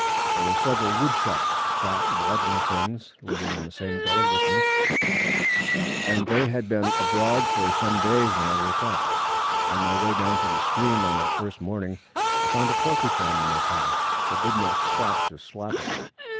There were several woodchucks fat, waddling things living in the same gully with me, and they had been abroad for some days when I woke up. On my way down to the stream on that first morning, I found a porcupine in my path, but did not stop to slap it.